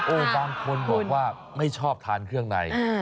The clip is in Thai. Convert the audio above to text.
บางคนบอกว่าไม่ชอบทานเครื่องใน